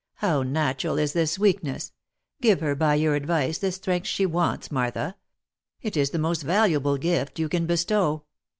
" How natural is this weakness ! Give her, by your advice, the strength she wants, Martha — it is the most valuable gift you can bestow